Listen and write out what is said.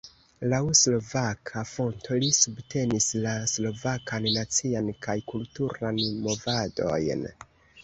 Laŭ slovaka fonto li subtenis la slovakan nacian kaj kulturan movadojn.